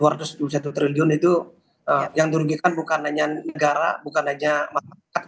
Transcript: rp dua ratus dua puluh satu triliun itu yang dirugikan bukan hanya negara bukan hanya masyarakat